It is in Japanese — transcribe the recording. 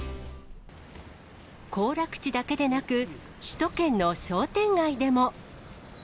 行楽地だけでなく、首都圏の商店街でも。